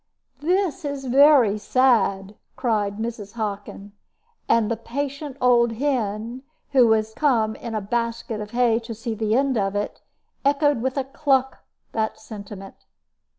"This is very sad," cried Mrs. Hockin; and the patient old hen, who was come in a basket of hay to see the end of it, echoed with a cluck that sentiment.